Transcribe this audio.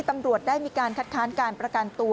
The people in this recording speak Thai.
ตำรวจได้มีการคัดค้านการประกันตัว